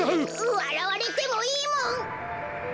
わらわれてもいいもん！